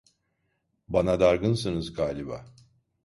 Bana dargınsınız galiba?